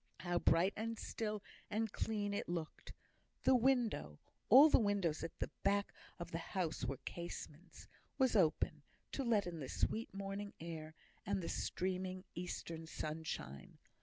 How bright and still and clean it looked! The window (all the windows at the back of the house were casements) was open, to let in the sweet morning air, and streaming eastern sunshine.